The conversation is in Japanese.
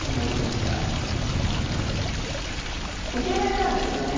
はいイケメンなんですよね